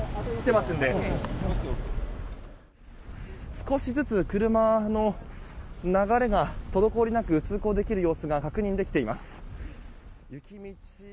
少しずつ車の流れが滞りなく通行できる様子が確認できています。